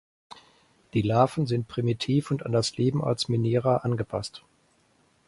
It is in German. Die Larven sind primitiv und an das Leben als Minierer angepasst.